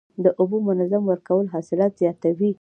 د اوبو منظم ورکول حاصلات زیاتوي.